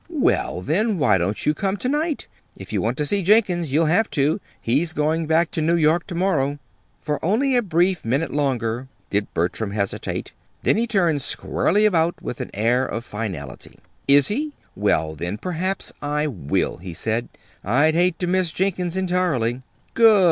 "Well, then, why don't you come to night? If you want to see Jenkins you'll have to; he's going back to New York to morrow." For only a brief minute longer did Bertram hesitate; then he turned squarely about with an air of finality. "Is he? Well, then, perhaps I will," he said. "I'd hate to miss Jenkins entirely." "Good!"